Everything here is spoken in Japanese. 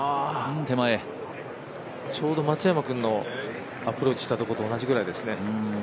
ちょうど松山君のアプローチしたところと同じぐらいですね。